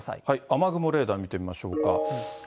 雨雲レーダー見てみましょうか。